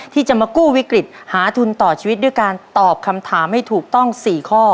ที่จะมากู้วิกฤตหาทุนต่อชีวิตด้วยการตอบคำถามให้ถูกต้อง๔ข้อ